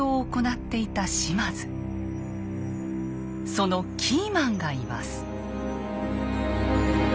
そのキーマンがいます。